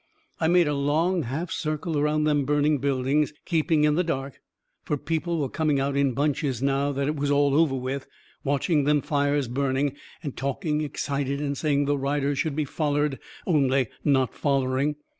I made a long half circle around them burning buildings, keeping in the dark, fur people was coming out in bunches, now that it was all over with, watching them fires burning, and talking excited, and saying the riders should be follered only not follering.